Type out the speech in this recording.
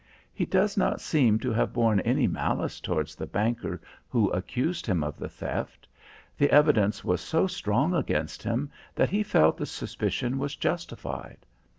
He does not seem to have borne any malice towards the banker who accused him of the theft. The evidence was so strong against him that he felt the suspicion was justified.